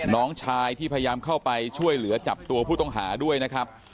น้องชายที่พยายามเข้าไปช่วยเหลือจับตัวผู้ต้องหาด้วยนะครับ